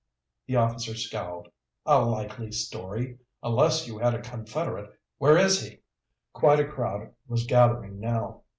The officer scowled. "A likely story! Unless you had a confederate. Where is he?" Quite a crowd was gathering now.